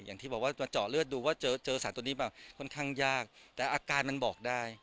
อย่างที่บอกว่ามาเจาะเลือดดูว่าเจอเจอสารตัวนี้แบบค่อนข้างยากแต่อาการมันบอกได้